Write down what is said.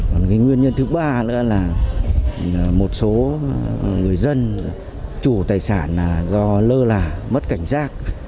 còn cái nguyên nhân thứ ba nữa là một số người dân chủ tài sản là do lơ là mất cảnh giác